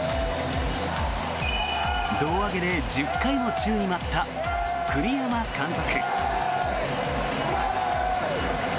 胴上げで１０回も宙に舞った栗山監督。